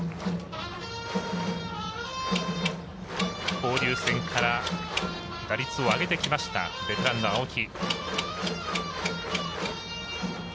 交流戦から打率を上げてきたベテランの青木。